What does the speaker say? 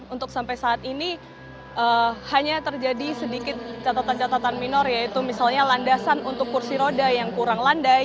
untuk sampai saat ini hanya terjadi sedikit catatan catatan minor yaitu misalnya landasan untuk kursi roda yang kurang landai